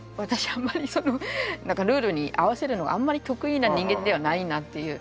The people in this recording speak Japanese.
あんまりそのなんかルールに合わせるのがあんまり得意な人間ではないなっていう。